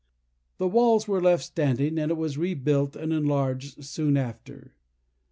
The walls were left standing, and it was rebuilt and enlarged soon after.